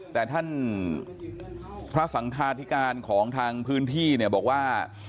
แต่ท่านพระสังคาธิการของทางพื้นที่เนี่ยบอกว่า